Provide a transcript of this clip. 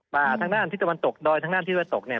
ทางด้านทิศตะวันตกดอยทางด้านทิศตะวันตกเนี่ย